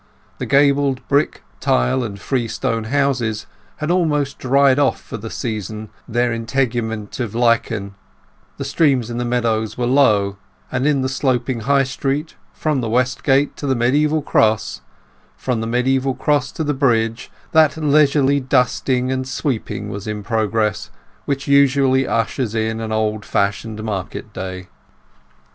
The gabled brick, tile, and freestone houses had almost dried off for the season their integument of lichen, the streams in the meadows were low, and in the sloping High Street, from the West Gateway to the mediæval cross, and from the mediæval cross to the bridge, that leisurely dusting and sweeping was in progress which usually ushers in an old fashioned market day.